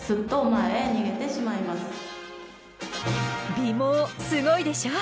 尾毛すごいでしょ？